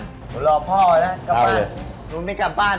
พี่น้องเวลาอยากกลับบ้านหนูรอพ่อไว้นะกลับบ้าน